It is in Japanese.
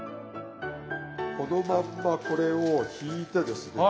このまんまこれをひいてですね